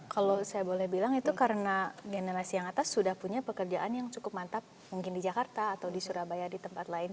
kalau saya boleh bilang itu karena generasi yang atas sudah punya pekerjaan yang cukup mantap mungkin di jakarta atau di surabaya di tempat lain